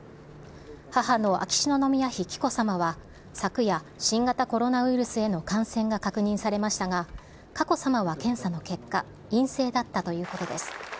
母の秋篠宮妃紀子さまは、昨夜、新型コロナウイルスへの感染が確認されましたが、佳子さまは検査の結果、陰性だったということです。